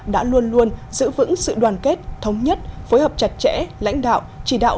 đã luôn luôn giữ vững sự đoàn kết thống nhất phối hợp chặt chẽ lãnh đạo chỉ đạo